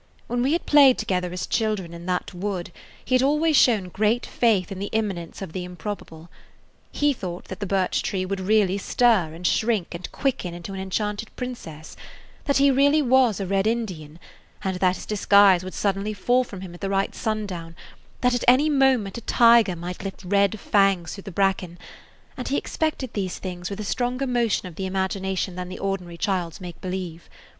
When we had played together as children in that wood he had always shown great faith in the imminence of the improbable He thought that the birch tree would really stir and shrink and quicken into an enchanted princess, that he really was a red Indian, and that his disguise would suddenly fall from him at the right sundown, that at any moment a tiger might lift red fangs through the bracken, and he expected these things with a stronger motion of the imagination than the ordinary child's make believe.